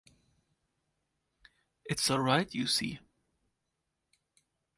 It's all right, you see.